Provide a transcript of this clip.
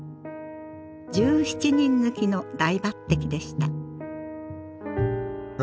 １７人抜きの大抜てきでした。